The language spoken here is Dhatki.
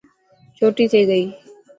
ڇوٽي ٿي گئي.